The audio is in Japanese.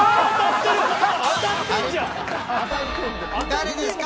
誰ですか？